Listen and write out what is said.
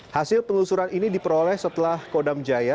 hasil penelusuran ini diperoleh setelah kodam jaya